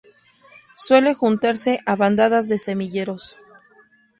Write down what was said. Suele juntarse a bandadas de semilleros.